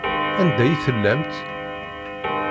Anda i tellamt?